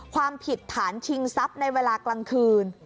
ความผิดฐานชิงทรัพย์ในเวลากลางคืน